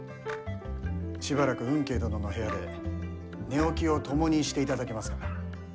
しばらく吽慶殿の部屋で寝起きを共にしていただけますかな？